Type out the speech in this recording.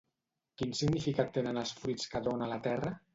Quin significat tenen els fruits que dona la terra?